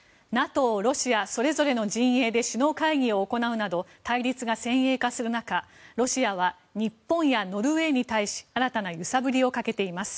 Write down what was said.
ＮＡＴＯ、ロシアそれぞれの陣営で首脳会議を行うなど対立が先鋭化する中ロシアは日本やノルウェーに対し新たな揺さぶりをかけています。